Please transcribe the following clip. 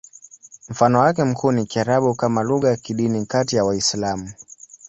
Mfano wake mkuu ni Kiarabu kama lugha ya kidini kati ya Waislamu.